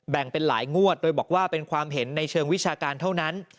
แบ่งเป็นหลายงวดโดยบอกว่าเป็นความเห็นในเชิงวิชาการเท่านั้น